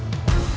kamu mau ke rumah